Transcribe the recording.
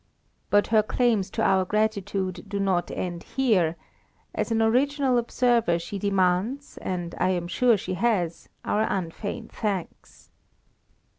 But her claims to our gratitude do not end here: as an original observer she demands, and I am sure she has, our unfeigned thanks."